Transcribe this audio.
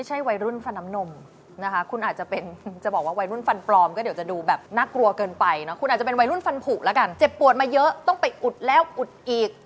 เจ็บปวดมาเยอะต้องไปอุดแล้วอุดอีก